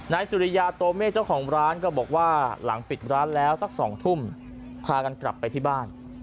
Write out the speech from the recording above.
นายสุริยาโตเม่เจ้าของร้านก็บอกว่าหลังปิดร้านแล้วสัก๒ทุ่มพากันกลับไปที่บ้าน